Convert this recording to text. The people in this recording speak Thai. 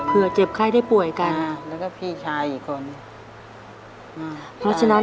เผื่อเจ็บไข้ได้ป่วยกันอ่าแล้วก็พี่ชายอีกก่อนอ่าเพราะฉะนั้น